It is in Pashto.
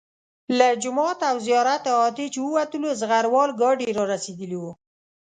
له جومات او زیارت احاطې چې ووتلو زغره وال ګاډي را رسېدلي وو.